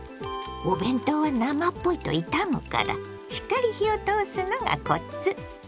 お弁当は生っぽいといたむからしっかり火を通すのがコツ。